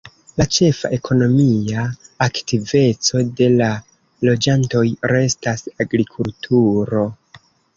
La ĉefa ekonomia aktiveco de la loĝantoj restas agrikulturo.